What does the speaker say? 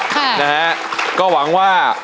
ค่ะนะฮะก็หวังว่า